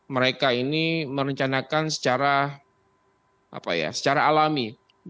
mereka ini merencanakan secara alami